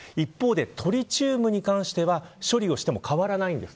一方で、トリチウムに関しては処理をしても変わらないんです。